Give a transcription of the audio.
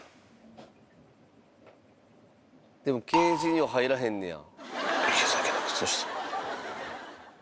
でもケージには入らへんねや。